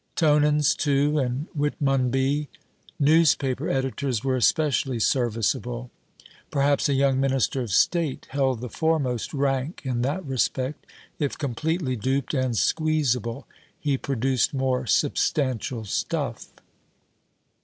Tonans too, and Whitmonby. Newspaper editors were especially serviceable. Perhaps 'a young Minister of State' held the foremost rank in that respect: if completely duped and squeezeable, he produced more substantial stuff.